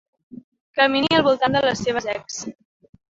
Camini al voltant de les seves ex.